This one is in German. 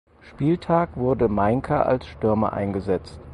Spieltag wurde Mainka als Stürmer eingesetzt.